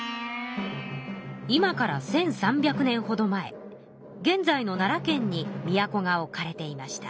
今から１，３００年ほど前現在の奈良県に都が置かれていました。